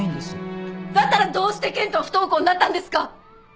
だったらどうして研人は不登校になったんですか！